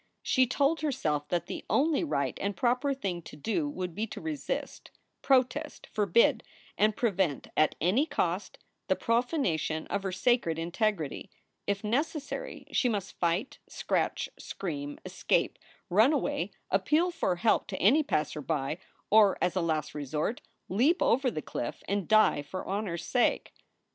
She told herself that the only right and proper thing to do would be to resist, protest, forbid, and prevent at any cost the profanation of her sacred integrity. If necessary, she must fight, scratch, scream, escape, run away, appeal for help to any passer by, or, as a last resort, leap over the cliff and die for honor s sake.